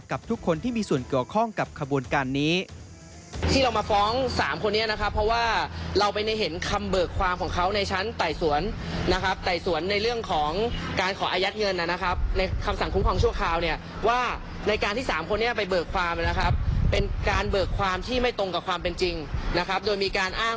กับทุกคนที่มีส่วนเกี่ยวข้องกับขบวนการนี้